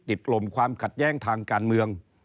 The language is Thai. กลุ่มความขัดแย้งทางการเมือง